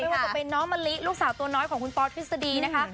ว่าจะเป็นน้องมะลิลูกสาวตัวน้อยของคุณปอทฤษฎีนะคะ